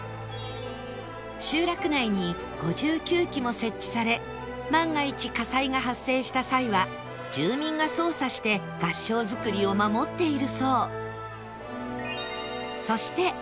集落内に５９基も設置され万が一火災が発生した際は住民が操作して合掌造りを守っているそう